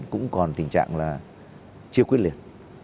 cũng còn tình trạng là chưa quyết liệt